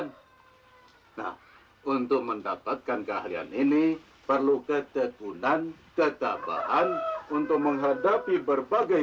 tapi juga kalian nah untuk mendapatkan keahlian ini perlu ketekunan ketambahan untuk menghadapi berbagai